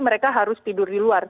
mereka harus tidur di luar